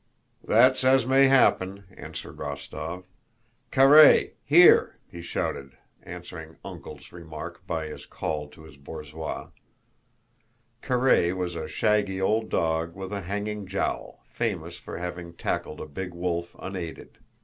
"That's as may happen," answered Rostóv. "Karáy, here!" he shouted, answering "Uncle's" remark by this call to his borzoi. Karáy was a shaggy old dog with a hanging jowl, famous for having tackled a big wolf unaided.